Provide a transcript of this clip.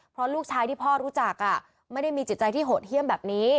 เพราะลูกชายที่พ่อรู้จักไม่ได้มีจิตใจที่โหดเยี่ยมแบบนี้